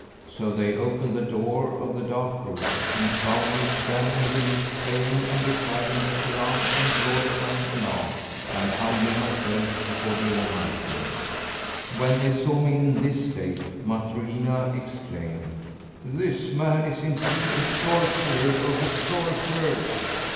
So they opened the door of the dark room and found me standing in the niche, praying and reciting the Koran and glorifying Allah and humbling myself before the Almighty. When they saw me in this state Matrohina exclaimed, 'This man is indeed a sorcerer of the sorcerers!'